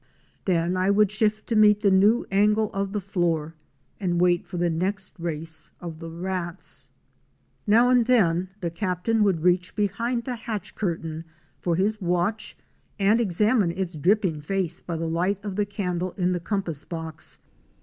Then I would shift to meet the new angle of the floor and wait for the next race of the rats. Now and then the Captain would reach behind the hatch curtain for his watch and examine its dripping face by the light of the candle in the compass box.